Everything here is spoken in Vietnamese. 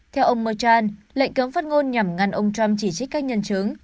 theo ông murchan lệnh cấm phát ngôn nhằm ngăn ông trump chỉ trích các nhân chứng